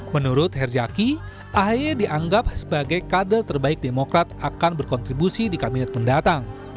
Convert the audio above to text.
menurut herzaki ahy dianggap sebagai kader terbaik demokrat akan berkontribusi di kabinet mendatang